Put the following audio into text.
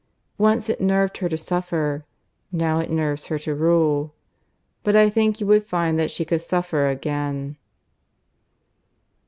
Once it nerved her to suffer; now it nerves her to rule. But I think you would find that she could suffer again."